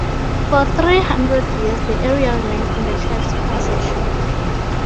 For three hundred years the area remained in the Church's possession.